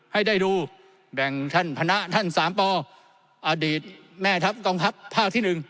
ให้ได้ดูแบ่งท่านคณะท่านสามปอดีตแม่ทัพกองทัพภาคที่๑